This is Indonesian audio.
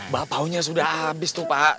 bapaunya sudah habis tuh pak